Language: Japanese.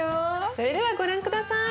それではご覧下さい。